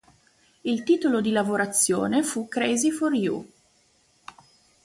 Il titolo di lavorazione fu "Crazy for You".